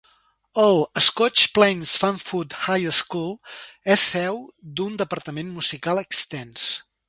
El "Scotch Plains-Fanwood High School" és seu d'un departament musical extens.